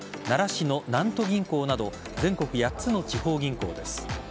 奈良市の南都銀行など全国８つの地方銀行です。